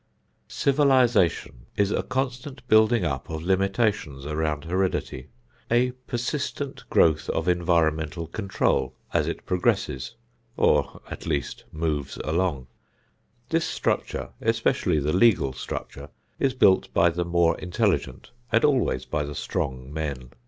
Civilization is a constant building up of limitations around heredity; a persistent growth of environmental control as it progresses, or at least moves along. This structure, especially the legal structure, is built by the more intelligent and always by the strong men.